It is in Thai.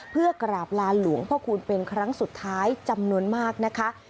เพื่อกราบลานหลวงพ่อคูณเป็นครั้งสุดท้ายจำนวนมากนะคะ